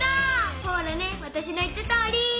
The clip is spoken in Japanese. ほらねわたしの言ったとおり！